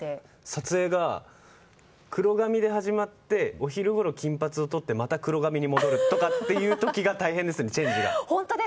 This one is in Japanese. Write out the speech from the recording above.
撮影が黒髪で始まってお昼ごろ金髪を撮ってまた黒髪に戻るとかっていう時が大変ですね、チェンジが。